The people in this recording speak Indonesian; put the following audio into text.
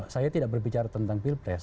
saya tidak berbicara tentang pilpres